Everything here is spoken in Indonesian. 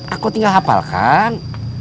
aku tinggal hafalkan